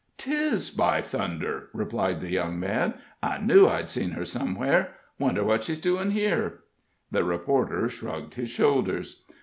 "'Tis, by thunder!" replied the young man. "I knew I'd seen her somewhere. Wonder what she's doing here?" The reporter shrugged his shoulders.